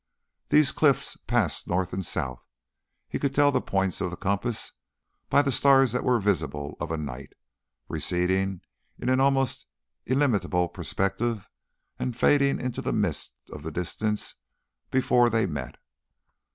These cliffs passed north and south he could tell the points of the compass by the stars that were visible of a night receding in an almost illimitable perspective and fading into the mists of the distance before they met.